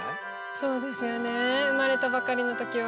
そうですよね生まれたばかりのときは。